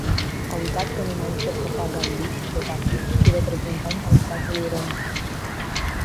A uitat că nu mai este propagandist de partid, ci reprezentant al statului român.